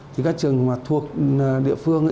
thì các trường mà thuộc địa phương